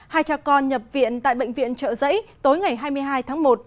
hai cha con nhập viện tại bệnh viện trợ giấy tối ngày hai mươi hai tháng một